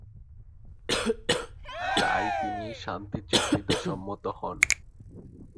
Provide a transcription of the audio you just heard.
তাই তিনি শান্তি চুক্তিতে সম্মত হন।